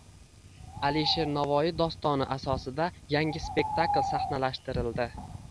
Alisher Navoiy dostoni asosida yangi spektakl sahnalashtirildi